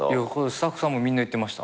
スタッフさんもみんな言ってました。